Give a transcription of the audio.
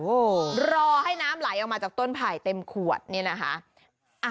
โอ้โหรอให้น้ำไหลออกมาจากต้นไผ่เต็มขวดเนี่ยนะคะ